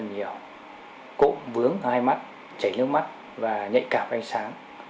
cụ thể như là cụm vướng hai mắt chảy nước mắt và nhạy cảm ánh sáng